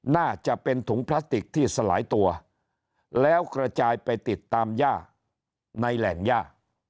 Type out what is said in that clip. น่าจะเป็นถุงพลาสติกที่สลายตัวแล้วกระจายไปติดตามย่าในแหล่งย่า